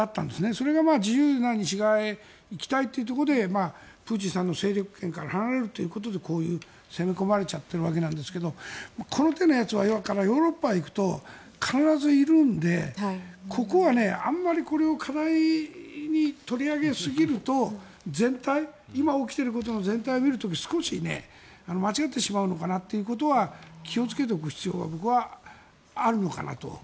それが自由な西側へ行きたいということでプーチンさんの勢力圏から離れるということでこう攻め込まれちゃってるわけですがこの手のやつはヨーロッパへ行くと必ずいるんでここは、あまりこれを過大に取り上げすぎると今起きてることの全体を見る時少し間違ってしまうのかなというのは気をつけておく必要が僕はあるのかなと。